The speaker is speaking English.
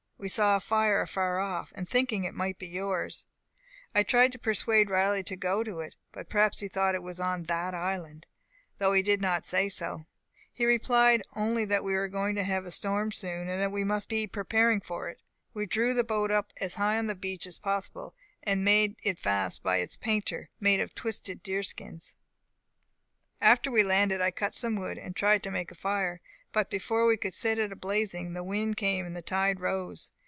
We saw a fire afar off, and thinking it might be yours, I tried to persuade Riley to go to it; but perhaps he thought it was on that island, though he did not say so; he replied only that we were going to have a storm soon, and that we must be preparing for it. We drew the boat as high on the beach as possible, and made it fast by his painter, made of twisted deerskins. "After we landed I cut some wood, and tried to make a fire; but before we could set it a blazing the wind came and the tide rose.